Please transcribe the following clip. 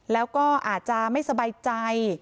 แล้วก็อาจจะไม่สบายใจ